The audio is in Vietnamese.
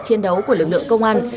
chiến đấu của lực lượng công an